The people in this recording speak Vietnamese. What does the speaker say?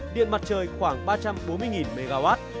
điện mặt trời khoảng ba trăm bốn mươi mw